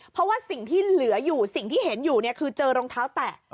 เพราะว่าสิ่งที่เหลืออยู่สิ่งที่เห็นอยู่เนี่ยคือเจอรองเท้าแตะ